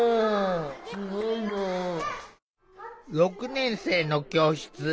６年生の教室。